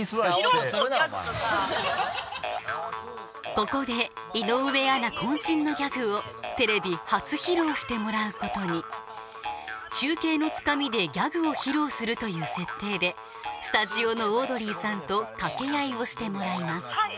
ここで井上アナこんしんのギャグをテレビ初披露してもらうことに中継のつかみでギャグを披露するという設定でスタジオのオードリーさんと掛け合いをしてもらいます